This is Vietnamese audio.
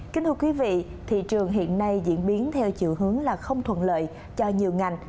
kính thưa quý vị thị trường hiện nay diễn biến theo chiều hướng là không thuận lợi cho nhiều ngành